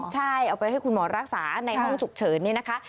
ใช่เอาไปให้คุณหมอรักษาในห้องฉุกเฉินนี่นะคะ